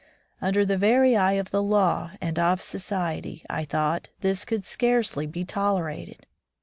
Under the very eye of the law and of society, I thought, this could scarcely be tolerated.